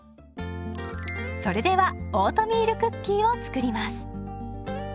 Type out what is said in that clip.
それではオートミールクッキーを作ります。